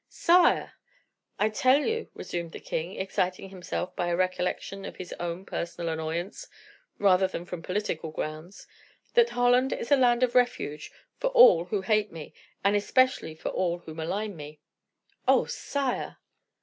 "Sire!" "I tell you," resumed the king, exciting himself by a recollection of his own personal annoyance, rather than from political grounds, "that Holland is a land of refuge for all who hate me, and especially for all who malign me." "Oh, sire!"